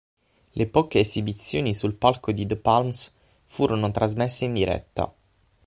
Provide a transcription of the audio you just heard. Le poche esibizioni sul palco di The Palms furono trasmesse in diretta.